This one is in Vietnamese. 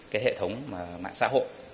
cái hệ thống mà mạng xã hội